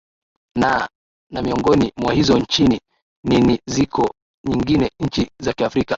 naa na miongoni mwa hizo nchini ni ni ziko nyingine nchi za kiafrika